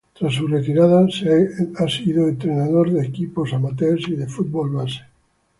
Tras su retirada ha sido entrenador de equipos "amateurs" y de fútbol base.